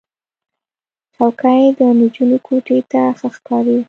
چوکۍ د نجونو کوټې ته ښه ښکاري.